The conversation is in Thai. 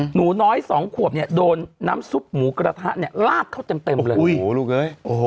หนูน้อย๒ขวบโดนน้ำซุปหมูกระทะลาดเขาเต็มเลย